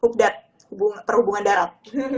hubdar perhubungan darat